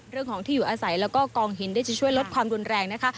เรื่องของที่อยู่อาศัยแล้วก็กองหินได้จะช่วยลดความรุนแรงนะคะ